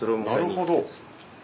なるほど。